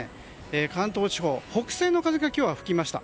関東地方北西の風が今日は吹きました。